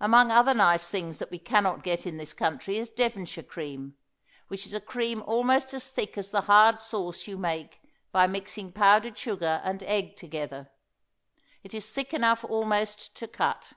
Among other nice things that we can not get in this country is Devonshire cream, which is a cream almost as thick as the hard sauce you make by mixing powdered sugar and egg together; it is thick enough almost to cut.